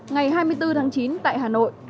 ngày hai mươi bốn tháng chín tại hà nội